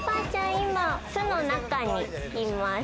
今、巣の中にいます。